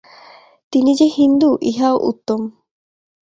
তিনি যে হিন্দু, ইহাও উত্তম।